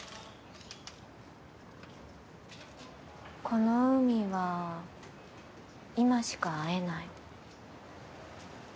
この海は今しか会えない。